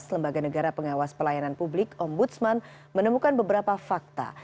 lembaga negara pengawas pelayanan publik om budsman menemukan beberapa fakta